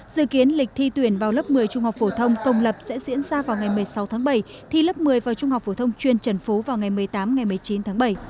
dự kiến lịch thi tuyển vào lớp một mươi trung học phổ thông công lập sẽ diễn ra vào ngày một mươi sáu tháng bảy thi lớp một mươi vào trung học phổ thông chuyên trần phú vào ngày một mươi tám ngày một mươi chín tháng bảy